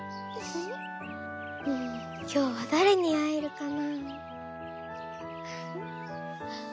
うんきょうはだれにあえるかな」。